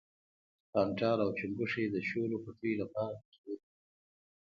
کانټار او چنگښې د شولو پټیو لپاره گټور وي.